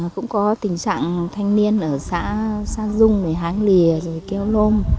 cũng có tình trạng thanh niên ở xã sa dung hán lìa kêu lôm